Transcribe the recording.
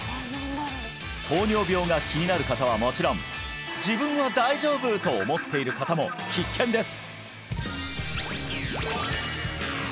糖尿病が気になる方はもちろん自分は大丈夫と思っている方も必見です